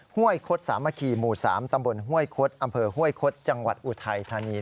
ห้วยคดสามัคคีหมู่๓ตำบลห้วยคดอำเภอห้วยคดจังหวัดอุทัยธานี